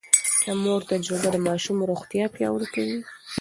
د مور تجربه د ماشوم روغتيا پياوړې کوي.